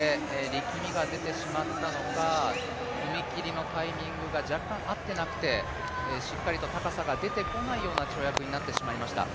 ちょっと３９という高さで力みが出てしまったのか踏み切りのタイミングが若干合っていなくて、しっかりと高さが出てこないような跳躍になってしまいました。